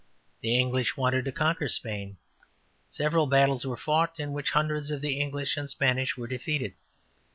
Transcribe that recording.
The English wanted to conquer Spain. Several battles were fought, in which hundreds of the English and Spanish were defeated.